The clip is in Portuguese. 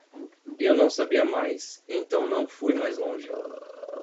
Eu não sabia mais, então não fui mais longe.